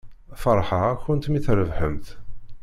Feṛḥeɣ-akent mi trebḥemt.